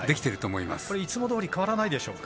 いつもどおり変わらないでしょうか？